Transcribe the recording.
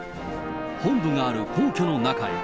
本部がある皇居の中へ。